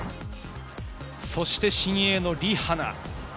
そして新鋭のリ・ハナ。